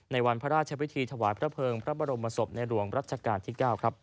ในวันพระราชพิธีถวายพระเภิงพระบรมศพในหลวงรัชกาลที่๙ครับ